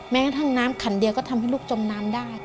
แม้กระทั่งน้ำขันเดียวก็ทำให้ลูกจมน้ำได้